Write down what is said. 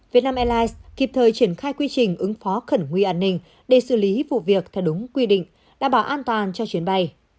việt nam airlines kịp thời triển khai quy trình ứng phó khẩn nguy an ninh để xử lý vụ việc theo đúng quy định đảm bảo an toàn cho chuyến bay